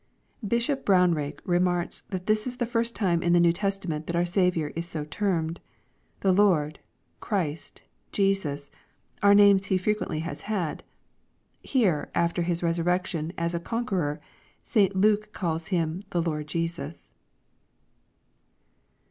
] Bishop Brownrig remarks that this is the first time in the New Testament that our Saviour is so termed. The Lord, — Christ,— Jesus, are names He frequently has had. Here, after His resurrection as a conqueror, St. Luke calls Him *' the Lord Jesus."